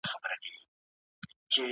مجلو څخه سمه او منظمه ګټه واخلي او په خپلي